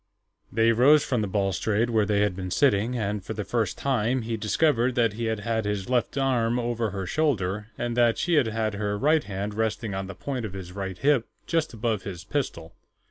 They rose from the balustrade where they had been sitting, and, for the first time, he discovered that he had had his left arm over her shoulder and that she had had her right hand resting on the point of his right hip, just above his pistol.